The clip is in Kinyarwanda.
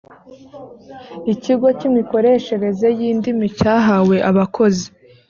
ikigo cy’imikoreshereze y’indimi cyahawe abakozi